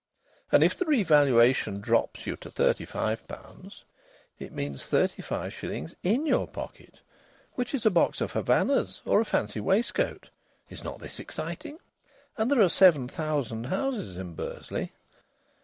And if the revaluation drops you to thirty five pounds, it means thirty five shillings in your pocket, which is a box of Havanas or a fancy waistcoat. Is not this exciting? And there are seven thousand houses in Bursley.